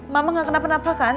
mama gak kenapa napakan